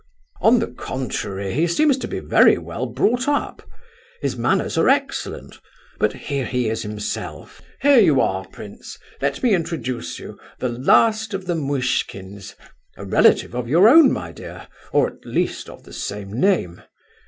"On the contrary, he seems to be very well brought up. His manners are excellent—but here he is himself. Here you are, prince—let me introduce you, the last of the Muishkins, a relative of your own, my dear, or at least of the same name.